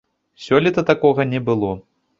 Сёлета такога не было.